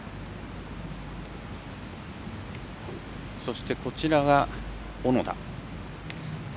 そして、こちらが小野田。